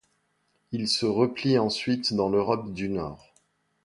Il se replie ensuite dans l'Europe du Nord.